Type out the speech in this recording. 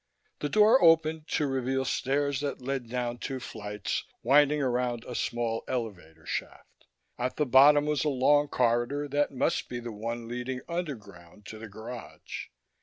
The door opened to reveal stairs that led down two flights, winding around a small elevator shaft. At the bottom was a long corridor that must be the one leading underground to the garage.